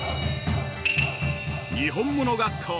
「にほんもの学校」